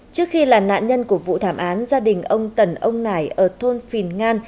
trước khi là nạn nhân của vụ thảm án gia đình ông tần ông nải ở thôn phìn ngan